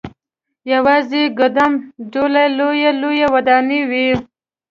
یوازې ګدام ډوله لويې لويې ودانۍ وې.